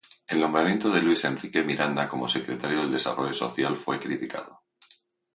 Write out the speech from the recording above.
El nombramiento de Luis Enrique Miranda como secretario de Desarrollo Social fue criticado.